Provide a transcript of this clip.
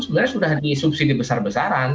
sebenarnya sudah disubsidi besar besaran